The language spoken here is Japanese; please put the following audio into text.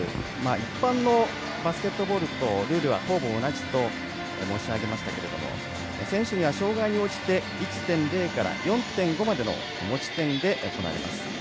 一般のバスケットボールとルールはほぼ同じと申し上げましたけれども選手には障がいに応じて１．０から４．５までの持ち点で行われます。